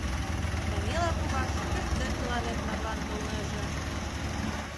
Танила кува шукертсек тыланет марлан толнеже.